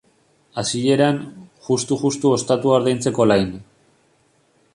Hasieran, justu-justu ostatua ordaintzeko lain.